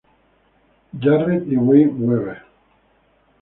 Jarrett y Wayne Webber.